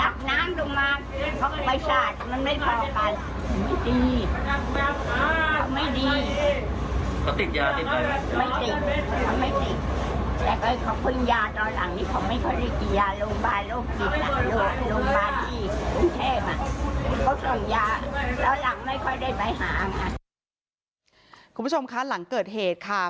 คุณผู้ชมคะหลังเกิดเหตุค่ะ